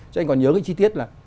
chắc anh còn nhớ cái chi tiết là